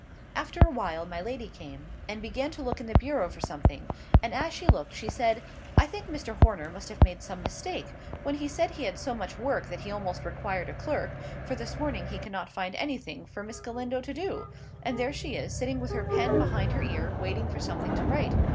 After a while my lady came, and began to look in the bureau for something: and as she looked she said—"I think Mr. Horner must have made some mistake, when he said he had so much work that he almost required a clerk, for this morning he cannot find anything for Miss Galindo to do; and there she is, sitting with her pen behind her ear, waiting for something to write.